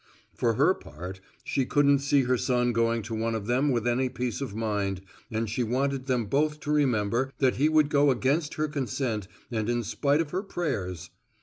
For her part, she couldn't see her son going to one of them with any peace of mind, and she wanted them both to remember, that he would go against her consent and in spite of her prayers.